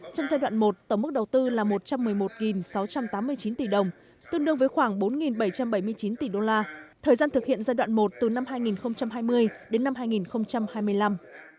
trong giai đoạn một tổng mức đầu tư là một trăm một mươi một sáu trăm tám mươi chín tỷ đồng tương đương với khoảng bốn bảy trăm bảy mươi chín tỷ đô la thời gian thực hiện giai đoạn một từ năm hai nghìn hai mươi đến năm hai nghìn hai mươi năm